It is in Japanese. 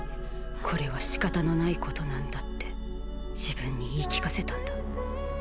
これはしかたのないことなんだって自分に言い聞かせたんだ。